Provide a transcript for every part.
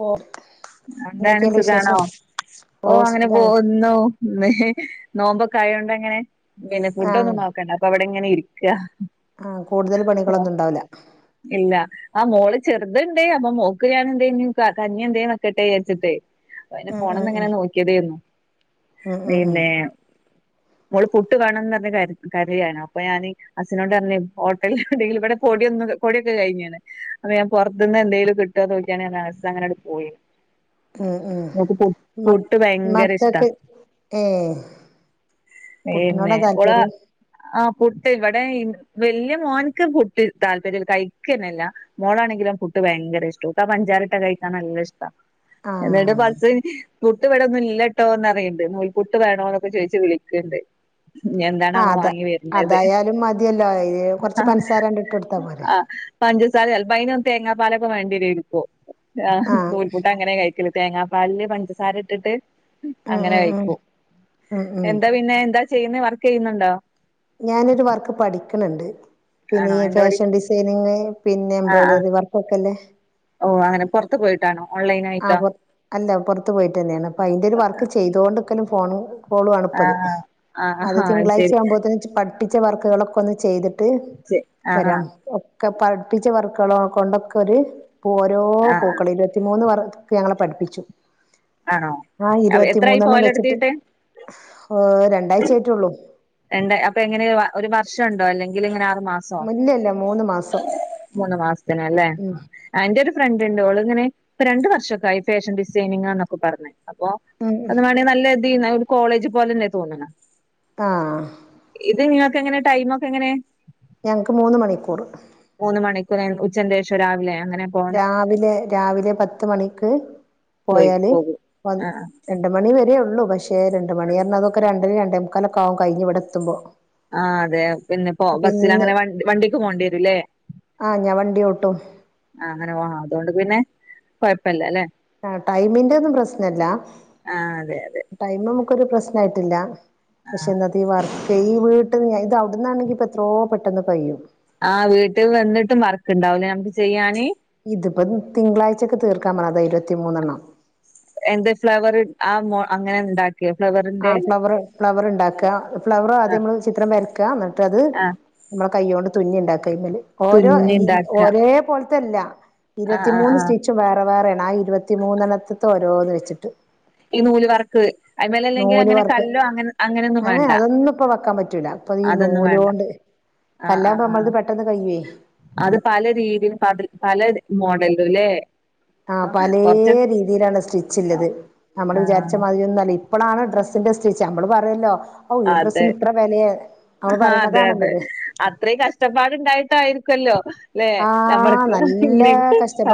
പോർത്ത് എന്താണ് സുഖാണോ ഓ ഓഹ് അങ്ങനെ സുഖാണ് പോവ്ന്ന് ന്നൊ നോമ്പോക്കയൊണ്ട്ങ്ങനെ പിന്നെ ആഹ് ഫുഡോന്നും നോക്കണ്ട പ്പോ അവടെ ഇങ്ങനെ ഇരിക്ക ആഹ് കൂടുതൽ ഓ പണികളൊന്നുംണ്ടാവൂല ഇല്ല ആഹ് മോള് ചെർത്ണ്ട് അപ്പൊ മോക്ക് ഞാൻ എന്തെന് ക്ക കഞ്ഞി എന്തെനു വെക് ക്കെട്ടേ ജാര്ച്ചിട്ടെ അയിന് ഉം ഉം ഉം ഫോണന്ന്ങ്ങനെ ന്നൊക്കിയതെന്നു ഉം ഉം ഉം പിന്നെ മോള് പുട്ട് വാണംന്ന്ർഞ്ഞ് കര് കരയാണ് അപ്പൊ ഞാന് അസ്സിനോട്ർഞ്ഞ് ഹോട്ടലിൽന്നെടി ഇവടെ പൊടിന്നുല്ല പൊടി ഒക്കെ കഴിഞ്ഞ്ണ് അപ്പോ ഞാൻ പൊർത്ത്ന്ന് എന്തെലും കിട്ടോന്നൊക്കിയാണ് ൻ അസ്സങ്ങനട് പോയിനു ഉം ഉം മൊക്ക് പുട് മ പുട്ട് ഭയങ്കര ഇഷ്ടാ മക്കൾക്ക് ഏഹ് പുട്ടിനോടാ എന്നെ ഒളാ താല്പര്യം ആഹ് പുട്ട് ഇവടെ ഇൻ വെല്ല്യാ മോൻക്ക് പുട്ട് താല്പര്യല്ല കൈക്കെന്നെല്ല. മോളാണെങ്കിലൊ പുട്ട് ഭയങ്കര ഇഷ്ട ഓക്കാ പഞ്ചാരട്ട കഴിക്കാൻ ന്നല്ല ഇഷ്ട്ടാ. എന്ന്ട്ട് ആഹ് ബസ് പുട്ട് ഇവടൊന്നും ഇല്ലട്ടോന്ന്റിയ്ണ്ട് നൂൽപുട്ട് വേണോ എന്നൊക്കെ ചോദിച്ച് വിളിക്ക്ണ്ട്. ഇഞ്ഞി ആഹ് എന്താണവോ അതാ വാങ്ങി വര്ന്നത് അതായാലും മതിയല്ലോ ഇത് കൊറച്ച് ആഹ് പൻസാരണ്ട് ഇട്ട് കൊടുത്താ പോരെ ആഹ് പഞ്ചസാരാ ചെൽപ്പയിനൊക്കെ തേങ്ങാപ്പാലൊക്കെ വേണ്ടിരയ്ന്ന്പ്പോ ആഹ് നൂൽ അങ്ങനെ കഴിക്ക്ണ് തേങ്ങാപ്പാലില് പഞ്ചസാര ഇട്ടിട്ട് ഉം അങ്ങനെ ഉം ഉം കഴിക്കും ഉം ഉം എന്താ പിന്നെ എന്താ ചെയ്യുന്നെ വർക്ക്യ്യുന്നുണ്ടോ? ഞാനൊരു വർക്ക് പഠിക്ക്ണ് ണ്ട് ആണോ പിന്നെഈ എന്താ പഠി ഫാഷൻ ഡിസൈനിങ് പിന്നെ ആഹ് ആഹ് എംബ്രോയ്ഡറി വർക്കൊക്കെല്ലേ. ഓഹ് അങ്ങനെ പൊർ ത്ത് പോയിട്ടാണ് ഓൺലൈനായി ആഹ് പൊർ അല്ല പൊർത്ത് പോയിട്ട്ന്നെണ് അപ്പൊ അയിന്റെ ഒരു വർക്ക് ചെയ്ത് തൊണ്ട്ക്കലും ഫോണും കോളു ആണ്പ്പത് ആഹ് ആഹ് അത് ആഹ് തിങ്കളാഴ്ച ശരി യാവുമ്പോത്ത്ന്ച്ച് പഠിപ്പി ച്ച വർക്ക്കളൊക്കൊന്ന് ചെയ്തിട്ട് ശരി ആഹ് വരാം ആഹ് ഒക് ക്ക പഠ്പ്പിച്ച വർക്കെളോ കൊണ്ടക്കൊര് ഓരോ ആഹ് ആഹ് പൂക്കളിലെത്തി മൂന്ന് വർ ഒക്കെ ഞങ്ങളെ പഠ്പ്പിച്ചു ആണോ ആഹ് എത്രായി ഇരുപത്തിമൂന്നെണ്ണം വെച്ച്ട്ട് പോവലെടുത്തിട്ട് രണ്ടായ്ചയ്റ്റൊള്ളൂ രണ്ട് അപ്പെ എങ്ങനെവ ഒര് വർഷണ്ടോ അല്ലെങ്കില്ങ്ങനെ ആറ് മാസ് സൊ ഇല്ല ഇല്ല മൂന്ന് മാസം മൂന്ന് മാസ്ത്തിനല്ലേ ഉം ആഹ് ഇന്റോര് ഫ്രണ്ട്ണ്ട് ഓള് ഇങ്ങനെ പ്പ രണ്ട് വർഷൊക്കായി ഫാഷൻ ഡിസൈനിങ്ങാന്നക്കൊ പറഞ്ഞ് അപ്പൊ ഉം അത് മാണേ ന്നല്ലദീന്ന് ഒര് കോളേജ് പോലെന്നെ തോന്ന്ണ് ആഹ് ഇത് ഇങ്ങക്കെങ്ങനെ ടൈമൊക്കെ എങ്ങനെ ഞങ്ക്ക്ക് മൂന്ന് മണിക്കൂറ് മൂന്ന് മണിക്കൂറെ ഉച്ചന്റെഷൊ രാവിലെ എങ്ങനെ രാവിലെ രാവിലെ പത്ത് മണിക്ക് പോയി പോയാല് പോകും വന്ന് ആഹ് രണ്ട് മണിവരേയുള്ളൂ പഷേ രണ്ട് മണിയർഞ്ഞ അതൊക്കെ രണ്ടരി രണ്ടേ മുക്കാലൊക്കാവു കഴിഞ്ഞിവിടെത്തുമ്പോ ആഹ് അതെ പിന്നെപ്പോ ബസ്സിലങ്ങനെ വൺ വണ്ടിക്ക് പോണ്ട്യേ രുല്ലേ ഞാ വണ്ടി ഓട്ടും ആഹ് അങ്ങനെ പോവാ അതോണ്ട് പിന്നെ കൊയ്പ്പല്ലല്ലേ ആഹ് ട്ടൈമിന്റെന്നും പ്രശ്നല്ല ആഹ് അതെയതെ ടൈമമ്മക്കൊരു പ്രശ്നായ്റ്റില്ല പഷെ ഇന്നത്തീ വർ ട്ടൈ വീട്ട്ന്നെ ഇതവ്ട്ന്നാണെങ്കിപ്പത്രോ പെട്ടെന്ന് കയ്യും ആഹ് വീട്ട്ക് വന്നിട്ടും മർക്ക്ണ്ടാവൂലേ ഞമ്ക്ക് ചെയ്യാന് ഇത്പ്പോ തിങ്കളാഴ്ച്ചക്ക് തീർക്കാം പറത ഇരുപത്തിമൂന്നണ്ണം എന്ത് ഫ്ലവറ് ആഹ് മോ അങ്ങനെണ്ടാ ക്യ ഫ്ലവറ് ആഹ് ഫ്ലവറ് ഫ്ലവറ്ണ്ടാക്ക ഫ്ലവർ ആ ആദ്യമ്മള് ചിത്രം വര്ക്കാ ന്നിട്ടത് ആ മ്മളെ കൈയ്യോണ്ട് തുന്നിണ്ടാക്കയ്മല് ഓരോ തുന്നി ഈ ഉണ്ടാക്ക ഓരേ പോൽ ത്തല്ല ആ ആ ഇരുവത്തിമൂന്ന് ആ സ്റ്റിച്ചും വേറെ വേറെണ് ആഹ് ഇരുപത്തിമൂന്നെണ്ണത്ത്ത്തൊരോന്ന് വെച്ച്ട്ട് ഈ നൂല് വർക്ക് ഐമലല്ലെങ്കി നൂല് അങ്ങനെ വർക്ക് കല്ലോ അങ്ങൻ അങ്ങനെന്നും വേണ്ട പ്പതീ നൂലോണ്ട് ആഹ് ആഹ് പ്പമ്മൾത് പെട്ടെന്ന് കയ്യ്യേ അത് പല രീതിലും കാർഡിൽ പല മോഡൽലുല്ലേ ആഹ് പലേ രീതിയിലാണ് സ്റ്റിച്ചില്ലത് നമ്മള് ആ വിജാര്ച്ച മാതിരിന്നൊല്ലേ ഇപ്പളാണ് ഡ്രസ്സ്ന്റെ സ്റ്റിച്ച് അമ്മള് പറെല്ലോ ഔ ഈ അതെ ഡ്രസ്സിനിത്ര വെലയാ അവൾ പറിണതാണല്ലോത് അത്രീം കഷ്ടപ്പാട്ണ്ടായിട്ടായിര്ക്കു അല്ലോ ആഹ് നല്ലേ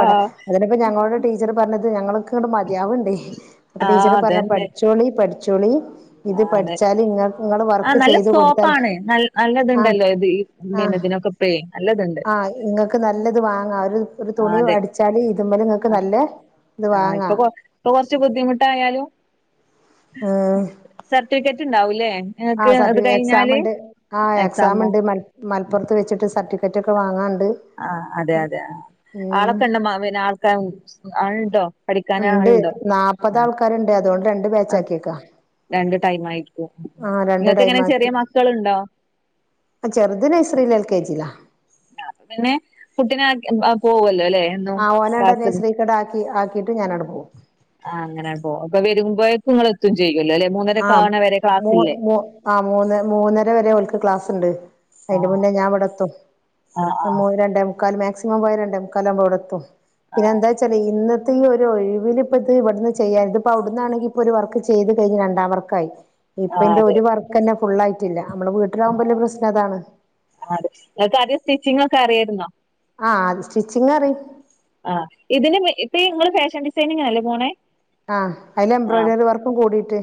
ആ അതിനിപ്പ ഞങ്ങോട് ടീച്ചറ് പർഞ്ഞത് ഞങ്ങൾക്കിങ്ങട് മതിയാവ്ണ്ടേയ് അപ്പൊ ആ ടീച്ചറ് പറ പഠ്‌ചോ ച്ചോളി പഠിച്ചോളി ഇത് ആഹ് അതെ പഠിച്ചാല് ഇങ്ങ ഇങ്ങള് ആഹ് വർക്ക് നല്ല ചെയ്ത് കൊടുത്താല് സ്കോപ്പാണ് നൽ ആഹ് നല്ലത്ണ്ടല്ലോതി ഈ ആഹ് പിന്നതിനൊക്ക പ്പേ നല്ലത്ണ്ട് ആഹ് ഇങ്ങക്ക് നല്ലത് വാങ്ങാ ഒര് ഒരു ആഹ് തുണി അതെ വാട്ച്ചാല് ഇത് മ്മല്ങ്ങക്ക് നല്ലെത് വാങ്ങാ പ്പൊ കൊർച്ച് ബുദ്ധിമുട്ടായാലും ഏഹ് സർട്ടിക്ക്യേറ്റ്ണ്ടാവൂലേ ആഹ് സർട്ടിഫി എക്സാമ്ണ്ട് ആഹ് എക്സാമോ എക്സാമ്ണ്ട് മെ മൽപ്പൊർത്ത് വെച്ചിട്ട് സർട്ടിഫിറ്റൊക്കെ വാങ്ങാണ്ട് ആഹ് അതെയതെ ഉം ആളൊക്കണ്ട മാ പിന്നെ ആൾക്കാ ഉ ആൾണ്ടോ ണ്ട് നാപ്പതാൾക്കാര്ണ്ട് അതോണ്ട് രണ്ട് ആഹ് ബാച്ചാക്കീക്കാ രണ്ട് ടൈമായിരിക്കും ടൈം ഇങ്ങക്കെങ്ങന ചെറിയ മക്കള്ണ്ടോ അ ചെർത് നഴ്സറീല് എൽ കെ ജിയിലാ അപ്പ പിന്നെ കുട്ടിനെ ആക്കി അ പോവു അല്ലോലെ ആ ഓനാടെ നഴ്സറിക്കടാക്കി ആക്കിട്ട് ഞാന അവിടെ പോവും ആ അങ്ങനെ പോ അപ്പൊ വരുമ്പോയേക്കുങ്ങള് എത്തും ചെയ്യുല്ലോ അല്ലെ ആ മൂന്നരക്കാവണ വരെ മൂ ക്ലാസ്സില്ലേ മൂ ആ മൂന്ന് മൂന്നര വരെ ഓൽക്ക് ക്ലാസ്ണ്ട് അയിന്റെ മുന്നേ ആഹ് ഞാൻ ഇവിടെത്തും ആഹ് ഞ ആഹ് മൂ രണ്ടേമു ക്കാല് മാക്സിമം പോയാല് രണ്ടേമുക്കാലാവുമ്പൊ ഇവിടെത്തും ആഹ് പിന്നെന്താ അതെ വെച്ചാല് ഇന്ന് ഇതീയൊരു ഒഴിവിലിപ്പത് ഇവിട്ന്ന് ചെയ്യാ ഇതിപ്പ അവിടന്നാണെങ്കി ഇപ്പൊരു വർക്ക് ചെയ്ത് കഴിഞ്ഞ് രണ്ട് രണ്ടാവർക്കായി ആഹ് ഇപ്പന്റെ അതെ ഒരു വർക്കന്നെ ഫുള്ളായിട്ടില്ല അമ്മള് വീട്ടിലാകുമ്പോല്ല പ്രശ്നം അതാണ് അതെ നിങ്ങൾക്കാദ്യം സ്റ്റിച്ചിങ്ങൊക്കെ അറിയേര്ന്നോ ആ അത് സ്റ്റിച്ചിങ്ങറിയും ആ ഇതിന് മു ഇപ്പീ ഇങ്ങള് ഫാഷൻ ഡിസൈനിങിനല്ലേ പോണേ ആഹ് അയിലെബ്രോയിഡറി വർക്കും കൂടിയിട്ട്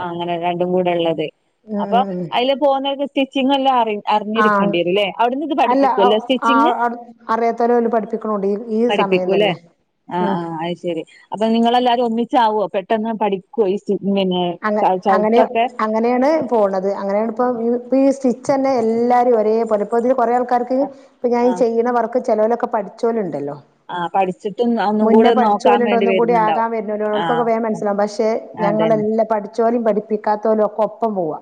ആഹ് അങ്ങനെ രണ്ടും കൂടെ ഉള്ളത് ഉം അപ്പൊ ഉം അയിലെ പോകുനോർക്ക് സ്റ്റിച്ചിങ് എല്ലാം അറിയും ആഹ് അല്ല അവ് ആ സ്റ്റിച്ചിങ് അടു അറിയാത്തോലെ ഓര് പഠിപ്പിക്കും [unintelligible] ഈ സമയം പഠിപ്പിക്കൂല്ലേ തന്നെ ആഹ് ഉം ആഹ് അയ്ശെരി അപ്പൊ നിങ്ങളെല്ലാവാരും ഒന്നിച്ചാവോ പെട്ടെന്ന് പഠിക്കുവോ ഈ [unintelligible] പിന്നെ അങ്ങ ക അങ്ങനെ ചവിട്ടൊക്കെ അങ്ങനെയാണ് പോണത് അങ്ങനെയാണ് ഇപ്പം ഈ സ്റ്റിച്ച് തന്നെ എല്ലാരും ഒരേപോലെ ഇപ്പം ഇതില് കുറെ ആൾക്കാര് ക്കാർക്ക് ഇപ്പം ഞാനി ആഹ് ചെയ്യണ വർക്ക് ചെലോലൊക്കെ പഠിച്ചോൽ ഉണ്ടല്ലോ ആഹ് പഠിച്ചിട്ടും ഒന്നും മുന്നേ കൂടെ പഠിച്ചോൽ നോക്കാൻ ഉണ്ട് വേണ്ടി ഒന്നും കൂടി വരുന്നുണ്ടാവും ആകാൻ വരുന്നവര് ഓൽക്കൊക്കെ ആഹ് വേവം മനസ്സിലാകും പക്ഷെ അതന്നെ ഞങ്ങളെല്ലാം പഠിച്ചോലും പഠിപ്പിക്കാത്തോലും ഒക്കെ ഒപ്പം പോവാ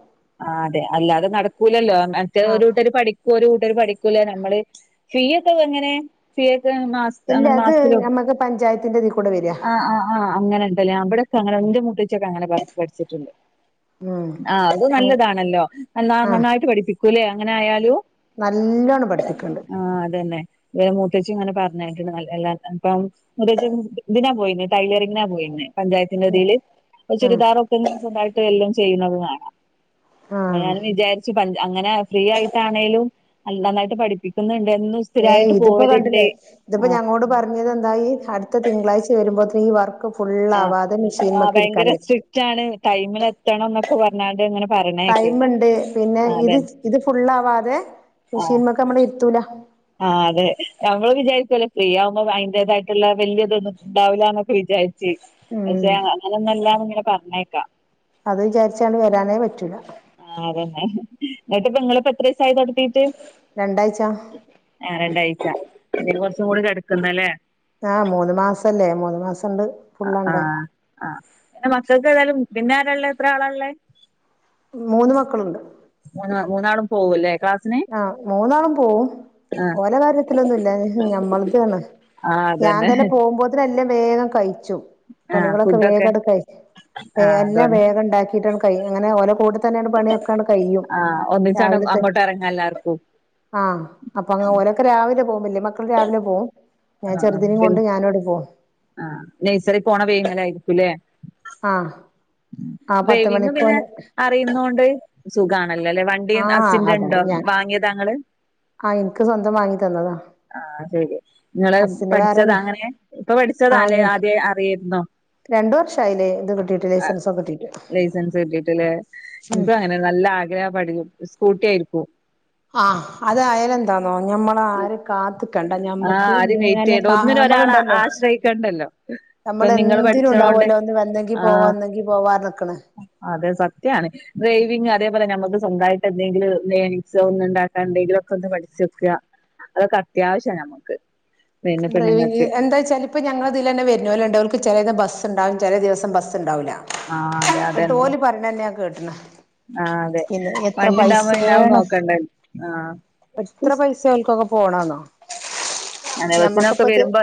ആഹ് അതെ അല്ലാതെ നടക്കൂലല്ലോ മറ്റേത് ആ ഒരു കൂട്ടര് പഠി ഒരു കൂട്ടര് പഠിക്കുല്ല നമ്മള് ഫീ ഒക്കെ എങ്ങനെ ഫീ ഒക്കെ മാസ് ഇല്ല അത് ഞമ്മക്ക് പഞ്ചായത്തിന്റെ അതികൂടെ വരിക ആഹ് ആഹ് അങ്ങനെണ്ടല്ലേ ആം ഇവിടൊക്കെ അങ്ങനാ എൻ്റെ മൂത്തച്ചിയൊക്കെ അങ്ങനെ പഠിച്ച്ട്ടുണ്ട് ഉം ആഹ് അത് നല്ലതാണല്ലോ നന്ന ആ നന്നായിട്ട് പഠിപ്പിക്കൂല്ലേ അങ്ങനെ ആയാലും നല്ലോണം പഠിപ്പിക്കണ്ട് ആഹ് അതന്നെ ഇ മുത്തച്ചി ഇങ്ങനെ പറഞ്ഞേക്കണ് എല്ലാം ഇപ്പം [unintelligible] ഇതിനാ പോയിന്നെ ടൈലറിങ്ങിനാ പോയിന്നെ പഞ്ചായത്തിന്റെ ഉം ഇതില് ഇപ്പം ഉം ചുരിദാർ ഒക്കെ സ്വന്തായിട്ട് എല്ലോം ചെയ്യുന്നത് കാണാം അപ്പം ആ ഞാനും വിചാരി ച്ച് പഞ്ച് അങ്ങനെ ഫ്രീ ആയിട്ടാണേലും നന്നായിട്ട് പഠിപ്പിക്കുന്നുണ്ട് എന്ന് ഏയ് ഇതിപ്പോ കണ്ടില്ലേ ഇതിപ്പോ ഞങ്ങളോട് പറഞ്ഞു പറഞ്ഞ എന്താ ഈ അടുത്ത തിങ്കളാഴ്ച വരുമ്പോത്തിന് ഈ വർക്ക് ഫുള്ളാവാതെ മെഷീൻമക്ക് ഇരിക്കാനയ [unintelligible] ടൈമില് എത്തണം എന്നൊക്കെ പറ ഞ്ഞാണ്ട് ഇങ്ങനെ പറയാ ടൈംമ് ഉണ്ട് പിന്നെ ഇത് ചെ ഇത് ഫുള്ളാവാതെ ആഹ് മെഷീൻമക്ക് നമ്മളെ ഇരുത്തൂല ആഹ് അതെ നമ്മള് വിചാരിക്കുവല്ലേ ഫ്രീ ആവുമ്പോ അതിന്റേതായിട്ടുള്ള വലിയതൊന്നും ഉണ്ടാവില്ലന്നൊക്കെ വിചാരി ച്ച് ഉം പക്ഷെ അങ്ങനെ ഒന്നും അല്ലാന്ന് ഇങ്ങനെ പറഞ്ഞേക്കാം അത് വിചാരിച്ചാണ് വരാനേ പറ്റൂല ആഹ് അതന്നെ എന്നിട്ട് ഇപ്പോ നിങ്ങള് ഇപ്പോ എത്ര ദിവസായി തുട ത്തീട്ട് രണ്ടാഴ്ച്ചാ ആഹ് രണ്ടാഴ്ച ഇനി കൊറച്ചും കൂടി കിടക്ക്ണ്ടല്ലേ ആഹ് മൂന്നു മാസല്ലേ മൂന്ന് മാസണ്ട് ഫുള്ള് ആവണ്ടേ ആഹ് ആഹ് മക്കൾക്ക് ഏതായാലും പിന്നാര ഉള്ളെ എത്ര ആളാ ഉള്ളേ മൂന്ന് മക്കളുണ്ട് മൂന്ന് മൂന്നാളും പോവൂല്ലേ ക്ലാസ് ആഹ് മൂന്നാളും പോവും ആഹ് ഓലെ കാര്യത്തിലൊന്നും ഇല്ല ഞമ്മളതാണ് ആഹ് ഞാൻ അതന്നെ തന്നെ [unintelligible] വേഗം കഴിച്ചു ആഹ് പണികളൊക്കെ വേഗം ഫുഡൊക്കെ അങ്ങട്ട് കഴിച്ചു എ ആഹ് എല്ലാം അതാണ് വേഗം ഉണ്ടാക്കിട്ട് കഴിയും അങ്ങനെ ഓനെ കൂടെ തന്നെയാണ് പണിയൊക്കെ ഇപ്പം ആണ്ട് കഴിഞ്ഞു ആഹ് ഒന്നിച്ചാട് അങ്ങോട്ട് എറങ്ങാല്ലാർക്കും ആഹ് അപ്പൊ അങ്ങ് ഓരോക്കെ രാവിലെ പോകും വലിയ മക്കൾ രാവിലെ പോകും ആഹ് ആഹ് ഡി ഞാനും ആണ്ട് പോവും ആഹ് നഴ്സറി പോണ വൈകുന്നേരം ആയീരിക്കുല്ലേ ആഹ് ആ പത്ത് ഡ്രൈവിങ് മണിക്ക് പിന്നെ ഓന് അറിയുന്നൊണ്ട് സുഖണല്ലോ അല്ലേ വണ്ടി ആഹ് ഹസിന്റെ അതാ ഉണ്ടോ ഞാൻ വാങ്ങി താ നിങ്ങള് ആഹ് എനിക്ക് സ്വന്തം വാങ്ങി തന്നതാ ആ ശരി നിങ്ങള് ഹസ്സിന് പഠിച്ചത വേറെന്നെ അങ്ങനെ ഇപ്പം പഠിച്ചതാ ആഹ് അല്ലേ ഞാൻ ആദ്യേ അറിയിരുന്നോ? രണ്ട് വർഷായില്ലേ ഇത് കിട്ടിയിട്ട് ആ ലൈസൻസൊക്കെ കിട്ടിയിട്ട് ലൈസൻസ് കിട്ടിട്ട് ലെ ഉം ഇൻകു അങ്ങനെണ് നല്ല ആ [unintelligible] പഠിയും സ്കൂട്ടി ആയിരിക്കു ആഹ് അതായാല് എന്താന്നോ ഞമ്മള് ആരെ കാത് കണ്ട ആഹ് ഞമ്മക്ക് ആരും വെയിറ്റ് ങ്ങനെ ചെയ്യണ്ട കാ ഒന്നിനും നമ്മള് ഒരാളെ ണ്ടല്ലോ ആശ്രയിക്കണ്ടല്ലോ ഇപ്പൊ നമ്മള് നിങ്ങള് എന്തിനും പഠിച്ചോണ്ട് ഉണ്ടാവുല്ലോ ഒന്ന് വന്നെങ്കി പോവാ ആഹ് വന്നെങ്കി പോവാ ർഞ്ഞി ക്ക്‌ണ് അതെ സത്യാണ് ഡ്രൈവിംങ് അതേപോലെ ഞമക്ക് സ്വന്തയിട്ട് എന്തെങ്കിലും ഏണിക്സ്‌ ഒന്ന് ഉണ്ടാക്കാൻ എന്തേങ്കിലും ഒക്കെ ഒന്ന് പഠിച്ചു വെക്ക അതൊക്കെ അത്യാവശ്യാ ഞമ്മക്ക് ഡ്രൈവിങ് എന്താച്ചാല് ഇപ്പ ഞങ്ങളെ തിലെന്നെ വരണോൽ ണ്ട് ഓൽക്ക് ചെലത് ബസ് ഇണ്ടാവും ചേലെ ദിവസം ബസ്ണ്ടാവൂല. ആഹ് അതെ ന്നെട്ട് അതന്നെ ഓല് പറയണെന്നെ ഞാൻ കേട്ട്ണ് ആഹ് അതെ പിന്നെ എത്ര വണ്ടി ഉണ്ടാവുമ്പോ പിന്നെ അത് പൈസേണ് നോക്കണ്ടല്ലോ ആഹ് എത്ര പൈസ്‌ സെ ഓൽക്കൊക്കെ പോണെന്നോ ആണ് ബസിനൊക്കെ വരുമ്പോ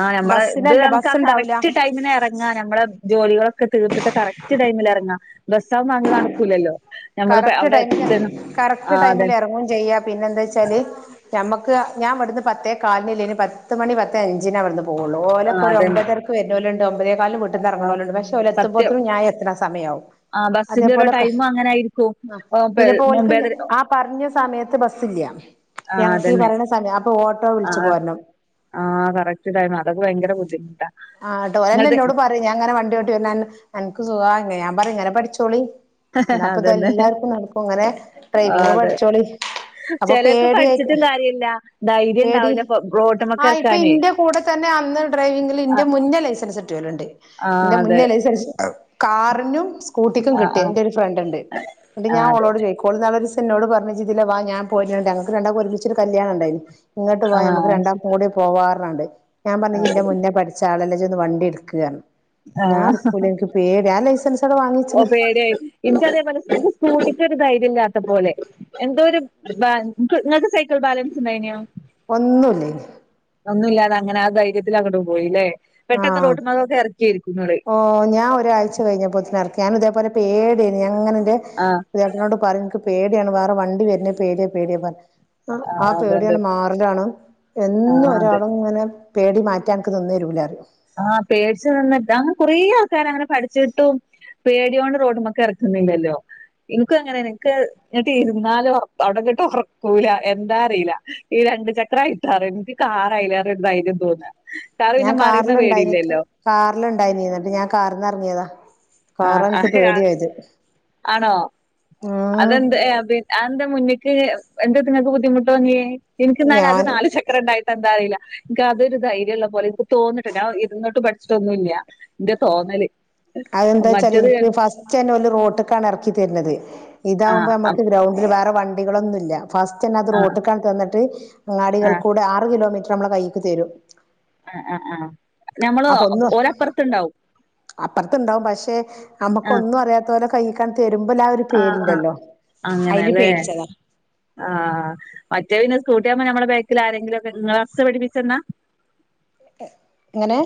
ആ ഞമ്മളെ ഇത് ബസ്സിനല്ല നമുക്ക് ആ ബസ് ഉണ്ടാവൂല കറക്റ്റ് ടൈമിനെറ ആ നമ്മളെ ജോലികളൊക്കെ തീർത്തിട്ട് കറക്റ്റ് ടൈമിൽ എറങ്ങാ ബസ്സാവുമ്പോ അത് നടക്കൂലല്ലോ നമ്മള് കറക്റ്റ് അവിടെ ടൈമിൽ എത്ത ആ കറക്റ്റ് അതെ ടൈമിൽ എറങ്ങും ചെയ്യാ പിന്നെ ന്താച്ചാല് ഞമ്മക്ക് ഞാൻ വെട്ന്ന് പത്തേ കാലിന്ല്ലെന് പത്ത് മണി പത്തേ അഞ്ചിന വെട്ന്ന് പോവുള്ളൂ ആ ഓലൊക്കെ ഒരു അതന്നെ ഒമ്പതര ക്ക് വരുന്നോല്ണ്ട് ഒമ്പതെക്കാലിന് ആ വീട്ടിന്നെർങ്‌ണോല്ണ്ട് പക്ഷെ ഓല് സത്യം എത്ത്മ്പോത്തിനും ഞാ എത്ണ സമയാവും സ ആ ബസിന്റെ ഒരു ടൈമ് അങ്ങനെ ആയിരിക് ആ പിന്നെപ്പോ ഓൽക്ക് ആ പറഞ്ഞ സമയത്ത് ബസ്സില്ല. ആ ഞങ്ങക് ഈ അതന്നെ പറയുന്ന സമയം അപ്പൊ ഓട്ടോ വിളിച്ചു പോരണം ആഹ് കറക്റ്റ് ടൈമ് അതൊക്കെ ഭയങ്കര ബുദ്ധിമുട്ടാ ആട്ടോ ങ്ങ ഓലെന്നെ എന്നോട് പറയും ഞാ ഇങ്ങനെ വണ്ടി ഓട്ടി വര്ന്നെ അൻക്ക് സുഖാ ഞാൻ പറയും ഇങ്ങനെ പഠിച്ചോളി ന്നപ്പൊ ഇത് അതന്നെ എല്ലാർക്കും നടക്കും ഇങ്ങനെ ഡ്രൈവിങ് പഠിച്ചോളി അപ്പൊ ചെലർക്ക് പഠിച്ചിട്ടും പേടിയായിട്ട് കാര്യല്ല ധൈര്യം പേടി ഇണ്ടാവില്ല പൊ ആ റോട്ട്മക്ക്‌ ഇപ്പൊ എറക്കാനെ ഇന്റെ കൂടെ തന്നെ അന്ന് ഡ്രൈവിങ്ങില് ഇന്റെ മുന്നേ ലൈസൻസ് കിട്ട്യോ ലുണ്ട് ആ ഇന്റെ അതെ മുന്നേ ലൈസൻസ് കാറിനും സ്കൂട്ടിക്കും ആ കിട്ട്യ ആ ന്റെ ഒരു ഫ്രണ്ട്ണ്ട് ന്ന്ട്ട് ആ ഞാൻ ഓളോട് അതെന്നെ ചോയി ഓള് ന്നാളൊരീസം ന്നോട് പറഞ്ഞ് ജി തിലെ വാ ഞാൻ പോര്ന്ണ്ട് ഞൾക്ക് രണ്ടാക്കും ഒരുമിച് ഒരു കല്യാണം ഇണ്ടായിന് ഇങ്ങട്ട് വാ ആ ഞമക്ക് രണ്ടാക്കും കൂടി പോവാ പർഞാണ്ട് ഞാൻ പറഞ് യി ന്റെ മുന്നേ പട് ച്ച ആളല്ലെ ജി ഒന്ന് വണ്ടി എട്ക്ക്‌ ർഞ് ആ ഞാൻ എടുക്കൂല ഇൻക്ക് പേടി ഞാൻ ലൈസൻസൊക്കെ വാങ്ങി വെച്ചിണ്‌ [unintelligible] ഇൻക്കി അതേപോലെ സ്‌കു സ്‌കൂ ട്ടിക്കൊരു ധൈര്യ ഇല്ലാത്ത പോലെ എന്തോരു ബാ ക്ക്‌ ങ്ങക്ക് സൈക്കിൾ ബാലൻസ് ഇണ്ടായ്നീ ഒന്നുല്ലേനി ഒന്നുല്ലാതെ അങ്ങനെ ആ ധൈര്യത്തിൽ അങ്ങോട്ട് പോയില്ലേ പെട്ടെന്ന് ആഹ് റോട്ട് മകൊക്കെ എറക്കിയെര്ക്കു ങ്ങള് ഓ ഞാൻ ഒരാഴ്ച കഴിഞ്ഞപോത്തിനും എറക്കി ഞാൻ ഇതേപോലെ പേടി ഏര്ന്ന് ഞാൻ ഇങ്ങനെ ന്റെ ആഹ് പിയപ്പൾനോട് പറയും ൻക്ക് പേടിയാണ് വേറെ വണ്ടി വര്ണെ പേടിയാ പേടിയാ പർ പ്പം ആ ആഹ് അതുകൊണ്ട് പേടിയാണ്ട് മാറെലാണ് എന്നും ആഹ് അതെ ഒരാളും ഇങ്ങനെ പേടി മാറ്റാൻ അൻക്ക് നിന്നെരൂല റിയും പേ ആ പേടിച് നിന്നിട്ട് അങ്ങനെ കൊറെ ആൾക്കാര് അങ്ങനെ പഠിച്ചിട്ടും പേടിയോണ്ട് റോട്ട്മക് എറക്കുന്നില്ലല്ലോ ഇൻക്കും അങ്ങനെനെ ഇൻക്ക് ന്നിട്ട് ഇരുന്നാലോ അവിടെ ങ്ങട്ട് ഒറക്കൂല എന്താ അറീല ഈ രണ്ട് ചക്രായി കാർ ൻകി കാറ് ഡ്രൈവിംഗ് തോന്ന ഞാൻ കാറില്ണ്ടായിനി ൻകി കാറിലുണ്ടായിനീ ന്നിട്ട് ഞാൻ കാർ ന്ന് എറങ്ങിയതാ ആഹ് കാറാ ഇൻക്ക് അഹ് ആ പേടിയായത് ആണോ ഉം അതെന്തേ അത് ആ എന്താ മുന്ന്ക്ക് എന്തത് ങ്ങക്ക് ബുദ്ധിമുട്ട് തോന്യേ എനിക് ന്നാല് അത് ഞാൻ നാല് ചക് ക്ര ണ്ടായിട്ട എന്താറില്ല ൻക്ക് അതൊരു ധൈര്യള്ള പോലെനിക്ക് തോന്നട്ടൊ ഞാൻ ഇരുന്ട്ട് പട് ഇഷ്ടൊന്നുല്ല ഇന്റെ തോന്നല് അതെന്താച്ചാല് മറ്റത് ൻക്ക് ഫസ്റ്റ് ന്നെ ഓ ല് റോട്ട്ക്കാണ് എറക്കി തര്ണത് ആഹ് ഇതാവുമ്പോ ആഹ് നമക്ക് ഗ്രൗണ്ടിൽ വേറെ വണ്ടികളൊന്നുല്ല ഫസ്റ്റന്നെ അത് ആഹ് റോട്ടിക് തന്നിട്ട് അങ്ങാടികൾകൂടെ ആറ് കിലോമീറ്റർ നമ്മളെ കൈക്ക് തരും ആഹ് ആഹ് ആ അപ്പൊ ഒന്നും അറിയണ്ട അപ്പറത്തുണ്ടാവും പക്ഷെ നമ്മുക്ക് ആഹ് ഒന്നും അറിയാത്തോലെ കൈക്ക് തരുമ്പോല്ല ആ ഒരു ആഹ് പേടി ആഹ് ണ്ടല്ലോ അതില് പേടിച്ചതാ ആ മറ്റേ പിന്നെ സ്കൂട്ടിയാമ്പോ നമ്മെ ബാക്കിൽ ആരെങ്കിലും ഒക്കെ നിങ്ങളെ അസ്സ് പഠിപ്പിച്ചെന്നാ [inaudible] ങ്ങനെ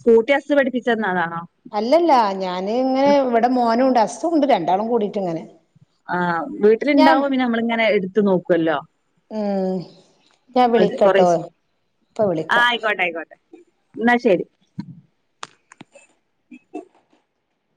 സ്കൂട്ടി അസ് പഠിപ്പിച്ചന്നതാണോ അല്ലല്ല ഞാനിങ്ങനെ ഇവിടെ മോനുണ്ട് അസുംണ്ട് രണ്ടാളും കൂടിട്ടിങ്ങനെ ആവീട്ടിലുണ്ടാവുമ്പോ പിന്നെ നമ്മളിങ്ങനെ എടുത്തു നോക്കുല്ലോ മ്മ് [unintelligible] ഇപ്പ വിളിക്കാം ആയിക്കോട്ടെ ആയിക്കോട്ടെ ന്നാ ശരി